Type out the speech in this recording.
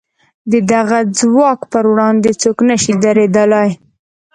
د دغه ځواک پر وړاندې څوک نه شي درېدلای.